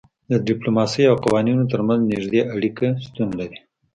د ډیپلوماسي او قوانینو ترمنځ نږدې اړیکه شتون لري